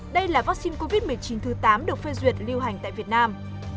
đây là vaccine covid một mươi chín thứ tám được phê duyệt lưu hành tại việt nam